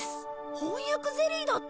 翻訳ゼリーだって！